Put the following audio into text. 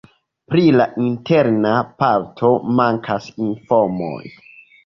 Pri la interna parto mankas informoj.